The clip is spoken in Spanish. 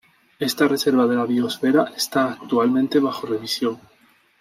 Esta reserva de la biosfera está actualmente bajo revisión.